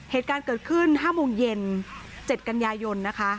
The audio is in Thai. เหตุการณ์เกิดขึ้นห้าโมงเย็นเจ็ดกัญญายนนะคะ